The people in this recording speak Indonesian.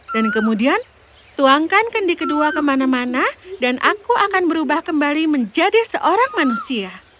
kemudian tuangkan kendi kedua kemana mana dan aku akan berubah kembali menjadi seorang manusia